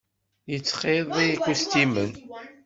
Yettxiḍi ikustimen.